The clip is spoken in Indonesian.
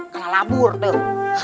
kemana labur tuh